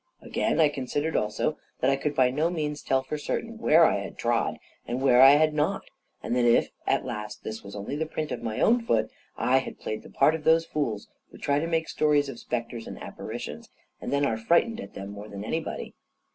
Again, I considered also that I could by no means tell for certain where I had trod, and where I had not; and that if, at last, this was only the print of my own foot, I had played the part of those fools who try to make stories of spectres and apparitions, and then are frightened at them more than anybody.